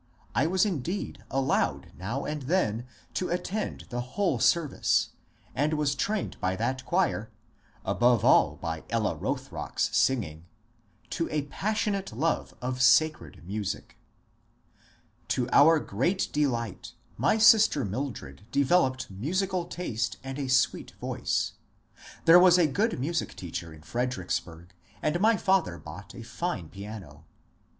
I was indeed allowed now and then to attend the whole service, and was trained by that choir — above all by Ella Bothrock's singing — to a passionate love of sacred music To our great delight my sister Mildred developed musical taste and a sweet voice. There was a good music teacher in Fredericksburg, and my father bought a fine piano.